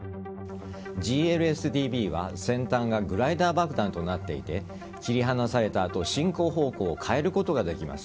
ＧＬＳＤＢは先端がグライダー爆弾となっていて切り離された後進行方向を変えることができます。